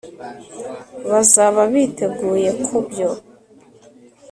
bazaba biteguye kubyo